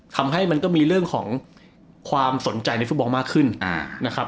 มันก็มีเรื่องของความสนใจในฟุตบอลมากขึ้นนะครับ